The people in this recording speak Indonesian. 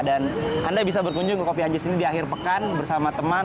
dan anda bisa berkunjung ke kopi anjis ini di akhir pekan bersama teman